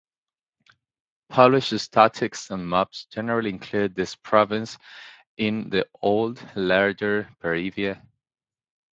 Published statistics and maps generally include this province in the old, larger, Peravia.